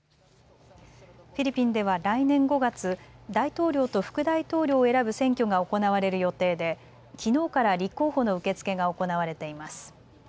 フィリピンでは来年５月、大統領と副大統領を選ぶ選挙が行われる予定できのうから立候補の受け付けが行われています。